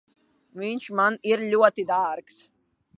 Viņš man ir ļoti dārgs.